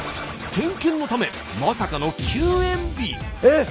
点検のためまさかのえっ？